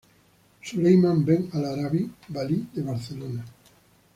Sulayman ben al-Arabí, valí de Barcelona.